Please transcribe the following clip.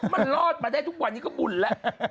มันรอดมาได้ทุกวันนี้ก็บุญแล้ว